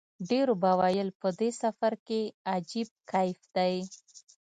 ډېرو به ویل په دې سفر کې عجیب کیف دی.